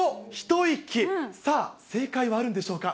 さあ、正解はあるんでしょうか。